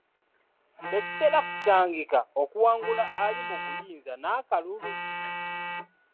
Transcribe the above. Tekitera kusangika okuwangula ali mu buyinza n'akalulu.